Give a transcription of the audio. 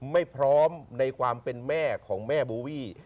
ไม่พร้อมในความเป็นแม่ของแม่โบวี่